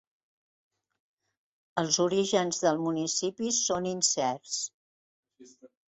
Els orígens del municipi són incerts.